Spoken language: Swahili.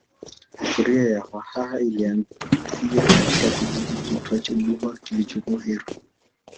Historia ya Waha ilianzia katika kijiji kiitwacho Buha kilichopo Heru